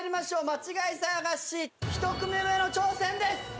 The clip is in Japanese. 間違い探し１組目の挑戦です！